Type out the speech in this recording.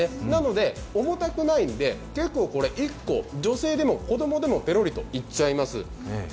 なので重たくないんで、結構１個、女性でも子供でも子供でもぺろりといっちゃいます。